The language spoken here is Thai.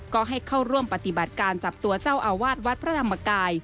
ก็ให้เข้าร่วมปฏิบัติการจับตัวเจ้าอาวาสวัดพระธรรมกาย